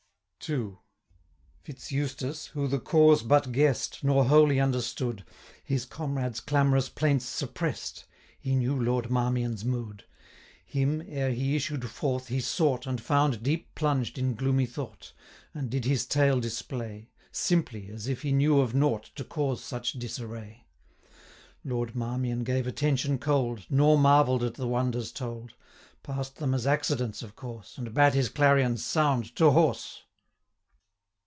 II. Fitz Eustace, who the cause but guess'd, Nor wholly understood, His comrades' clamorous plaints suppress'd; He knew Lord Marmion's mood. 35 Him, ere he issued forth, he sought, And found deep plunged in gloomy thought, And did his tale display Simply, as if he knew of nought To cause such disarray. 40 Lord Marmion gave attention cold, Nor marvell'd at the wonders told, Pass'd them as accidents of course, And bade his clarions sound to horse.